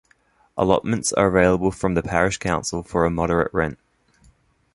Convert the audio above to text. Allotments are available from the Parish Council for a moderate rent.